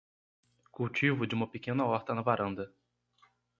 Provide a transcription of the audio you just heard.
Cultivo de uma pequena horta na varanda